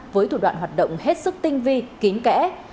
với thủ đoạn hoạt động hết sức tinh vi kín kẽ